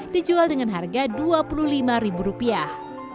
dijual dengan harga dua puluh lima ribu rupiah